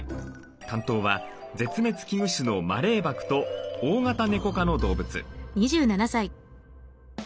担当は絶滅危惧種のマレーバクと大型ネコ科の動物。